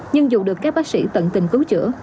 nhưng dù được các bác sĩ tận tình cứu chữa